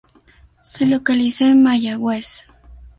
Se localiza en Mayagüez.